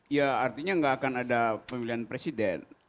ya artinya nggak akan ada pemilihan presiden